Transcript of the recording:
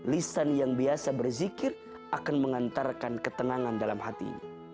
lisan yang biasa berzikir akan mengantarkan ketenangan dalam hatinya